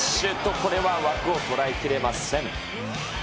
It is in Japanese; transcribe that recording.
これは枠を捉えきれません。